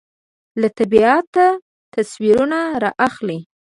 له طبیعته تصویرونه رااخلي